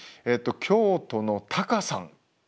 京都のタカさん。